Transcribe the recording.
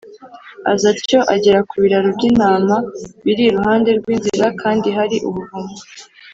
Aza atyo agera ku biraro by’intama biri iruhande rw’inzira, kandi hari ubuvumo.